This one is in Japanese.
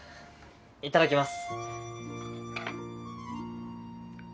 いただきます